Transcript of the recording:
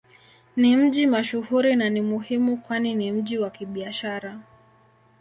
Ni mji mashuhuri na ni muhimu kwani ni mji wa Kibiashara.